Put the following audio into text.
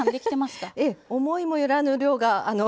思いもよらぬ量が。